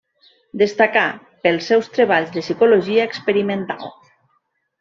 Destacà pels seus treballs de psicologia experimental.